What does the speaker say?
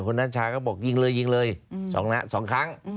คุณนัชชาก็บอกยิงเลยยิงเลย๒ครั้ง